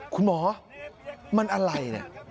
คุณหมอมันอะไรเนี่ย